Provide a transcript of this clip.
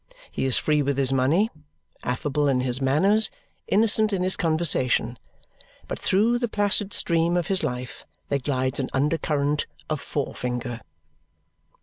He is free with his money, affable in his manners, innocent in his conversation but through the placid stream of his life there glides an under current of forefinger.